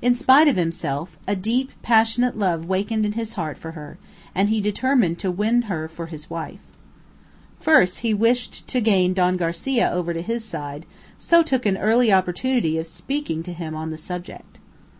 In spite of himself, a deep passionate love wakened in his heart for her, and he determined to win her for his wife. First he wished to gain Don Garcia over to his side, so took an early opportunity of speaking to him on the subject.